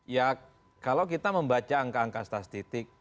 ya kalau kita membaca angka angka stastitik